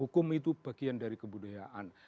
hukum itu bagian dari kebudayaan